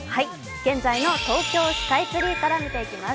現在の東京スカイツリーから見ていきます。